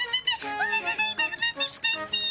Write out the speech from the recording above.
おなかがいたくなってきたっピィ。